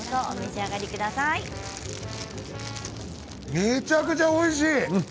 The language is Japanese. めちゃくちゃおいしい。